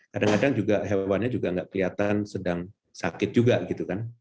kadang kadang juga hewannya juga nggak kelihatan sedang sakit juga gitu kan